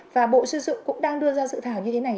và bộ xây dựng cũng đang đưa ra dự thảo như thế này